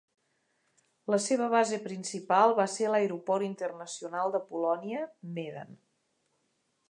La seva base principal va ser l'aeroport internacional de Polònia, Medan.